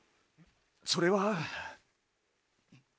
それは。